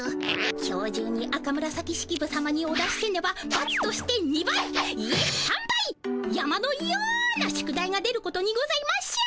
今日じゅうに赤紫式部さまにお出しせねばばつとして２倍いえ３倍山のような宿題が出ることにございましょう。